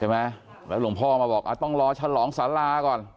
แล้วหลวงพ่อมาบอกต้องรอฉลองสาราก่อน